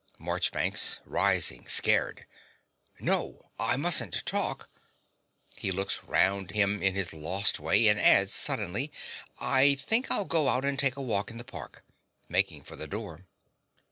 MARCHBANKS (rising, scared). No: I mustn't talk. (He looks round him in his lost way, and adds, suddenly) I think I'll go out and take a walk in the park. (Making for the door.)